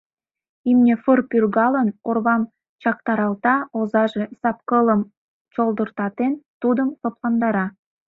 Имне, фр-р пӱргалын, орвам чактаралта, озаже, сапкылым чолдыртатен, тудым лыпландара.